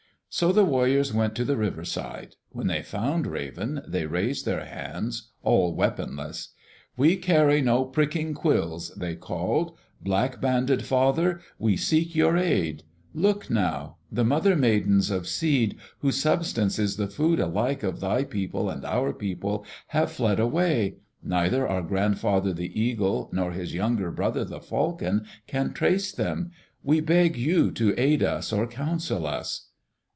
So the warriors went to the river side. When they found Raven, they raised their hands, all weaponless. "We carry no pricking quills," they called. "Blackbanded father, we seek your aid. Look now! The Mother maidens of Seed whose substance is the food alike of thy people and our people, have fled away. Neither our grandfather the Eagle, nor his younger brother the Falcon, can trace them. We beg you to aid us or counsel us."